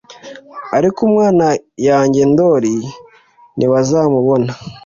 ariko umwana yange ndoli ntibazamubona.